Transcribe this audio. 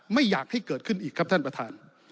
ไม่อยากให้เกิดขึ้นอีกครับท่านประธาน